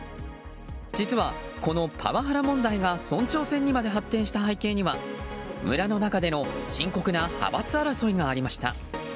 実は、このパワハラ問題が村長選にまで発展した背景には村の中での深刻な派閥争いがありました。